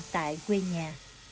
tại quê nhà